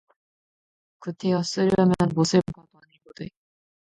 구태여 쓰려면 못쓸 바도 아니로되